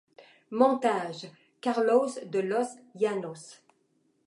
Montage : Carlos De Los Llanos.